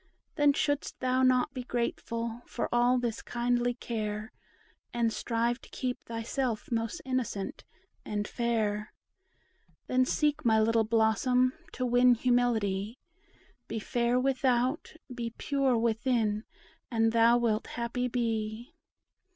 Then shouldst thou not be grateful for all this kindly care, And strive to keep thyself most innocent and fair? Then seek, my little blossom, to win humility; Be fair without, be pure within, and thou wilt happy be.